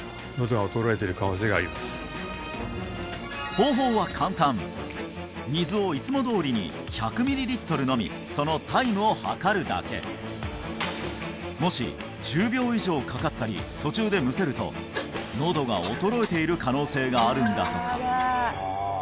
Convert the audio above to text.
方法は簡単水をいつもどおりに１００ミリリットル飲みそのタイムを計るだけもし１０秒以上かかったり途中でむせるとのどが衰えている可能性があるんだとか